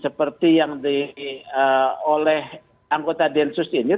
seperti yang oleh anggota densus ini